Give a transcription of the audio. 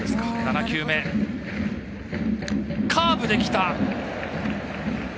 ７球目、カーブできた！